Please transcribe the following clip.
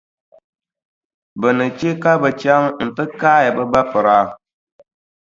Bɛ ni che ka bɛ chaŋ nti kaai bɛ piriba.